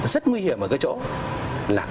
rất nguy hiểm ở cái chỗ là